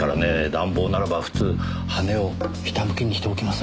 暖房ならば普通羽根を下向きにしておきませんか。